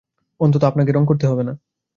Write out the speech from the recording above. অন্তত আপনাকে রং করতে হবে না।